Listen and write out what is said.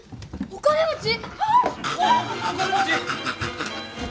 お金持ち。